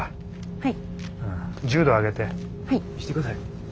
はい。